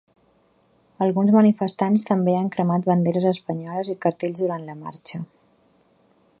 Alguns manifestants també han cremat banderes espanyoles i cartells durant la marxa.